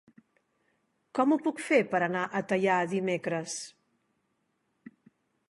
Com ho puc fer per anar a Teià dimecres?